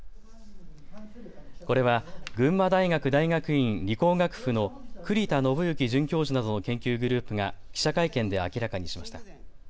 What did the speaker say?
これは群馬大学大学院理工学府の栗田伸幸准教授などの研究グループが記者会見で明らかにしました。